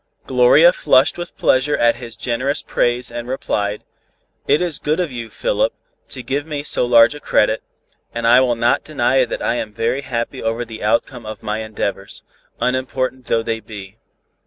Gloria flushed with pleasure at his generous praise and replied: "It is good of you, Philip, to give me so large a credit, and I will not deny that I am very happy over the outcome of my endeavors, unimportant though they be.